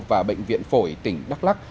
và bệnh viện phổi tỉnh đắk lắc